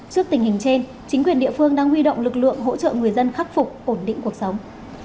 trước tình hình trên chính quyền địa phương đang huy động lực lượng hỗ trợ người dân khắc phục ổn định cuộc sống